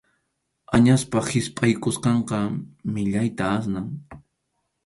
Añaspa hispʼaykusqanqa millayta asnan.